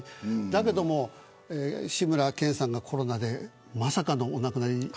だけども志村けんさんがコロナでまさかのお亡くなり。